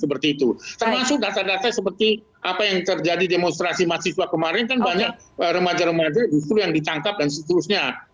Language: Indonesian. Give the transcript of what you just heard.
termasuk data data seperti apa yang terjadi demonstrasi mahasiswa kemarin kan banyak remaja remaja justru yang ditangkap dan seterusnya